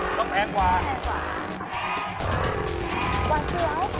ต้องแพงกว่า